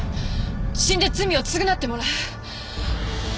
死んで罪を償ってもらう。